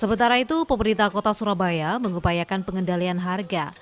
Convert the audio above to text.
sementara itu pemerintah kota surabaya mengupayakan pengendalian harga